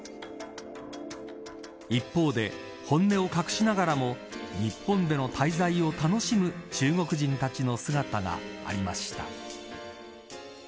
一方で、本音を隠しながらも日本での滞在を楽しむ中国人たちの姿もありました。